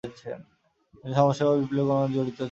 তিনি সমাজ সেবা ও বিপ্লবী কর্মকান্ডে জড়িত ছিলেন।